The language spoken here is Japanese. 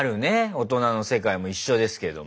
大人の世界も一緒ですけども。